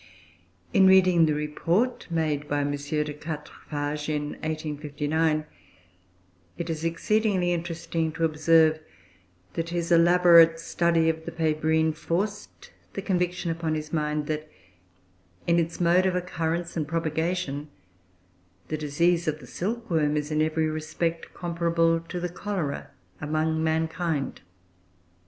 In reading the Report made by M. de Quatrefages in 1859, it is exceedingly interesting to observe that his elaborate study of the Pébrine forced the conviction upon his mind that, in its mode of occurrence and propagation, the disease of the silkworm is, in every respect, comparable to the cholera among mankind.